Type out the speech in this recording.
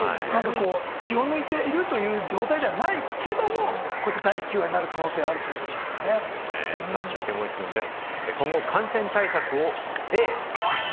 皆さん別に気を抜いているという状態ではないけれども、第９波になる可能性があるという続いてもう１問です。